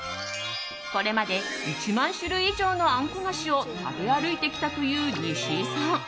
これまで１万種類以上のあんこ菓子を食べ歩いてきたというにしいさん。